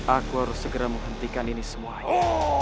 aku harus segera menghentikan ini semuanya